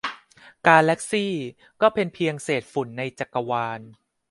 กาแลกซี่ก็เป็นเพียงเศษฝุ่นในจักรวาล